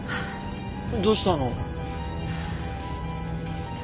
どうしたの？